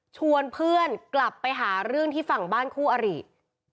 ชวนเพื่อนกลับไปหาเรื่องที่ฝั่งบ้านคู่อริ